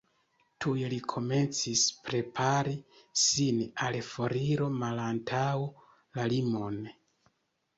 Tuj li komencis prepari sin al foriro malantaŭ la limon.